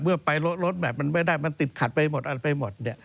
เมื่อไปลดแบบมันไม่ได้มันติดขัดไปหมดอันไปหมด